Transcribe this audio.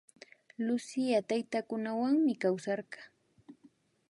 Lucía taytakunawanmi kawsarka